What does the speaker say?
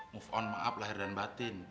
move on maaf lahir dan batin